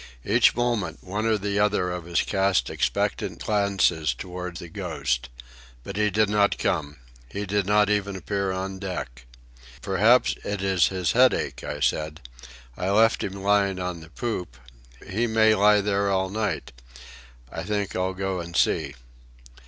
Each moment one or the other of us cast expectant glances toward the Ghost. But he did not come. He did not even appear on deck. "Perhaps it is his headache," I said. "I left him lying on the poop. He may lie there all night. I think I'll go and see."